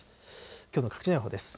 きょうの各地の予報です。